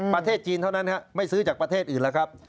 ประเทศจีนเท่านั้นไม่ซื้อจากประเทศอื่นแล้วครับ